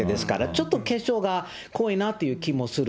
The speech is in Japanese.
ちょっと化粧が濃いなという気もする。